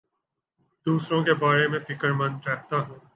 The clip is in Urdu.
دوسروں کے بارے میں فکر مند رہتا ہوں